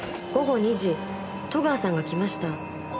午後２時戸川さんが来ました。